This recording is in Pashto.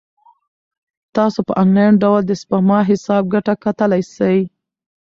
تاسو په انلاین ډول د سپما حساب ګټه کتلای شئ.